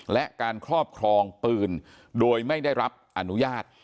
และการครอบครองปืนโดยไม่ได้รับอนุญาต